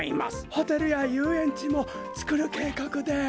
ホテルやゆうえんちもつくるけいかくです！